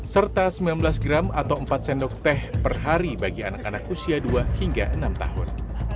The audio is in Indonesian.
serta sembilan belas gram atau empat sendok teh per hari bagi anak anak usia dua hingga enam tahun